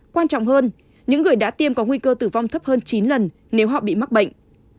quan trọng hơn những người đã tiêm có nguy cơ tử vong thấp hơn chín lần nếu họ bị mắc bệnh